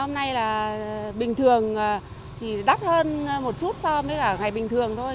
hôm nay là bình thường thì đắt hơn một chút so với cả ngày bình thường thôi